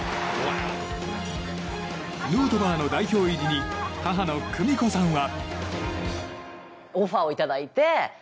ヌートバーの代表入りに母の久美子さんは。